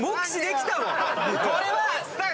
これは。